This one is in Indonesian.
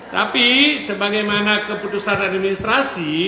tapi sebagaimana keputusan administrasi